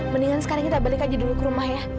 mendingan sekarang kita balik lagi dulu ke rumah ya